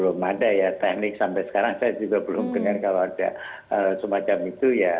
belum ada ya teknik sampai sekarang saya juga belum dengar kalau ada semacam itu ya